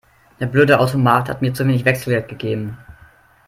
Der blöde Automat hat mir zu wenig Wechselgeld gegeben.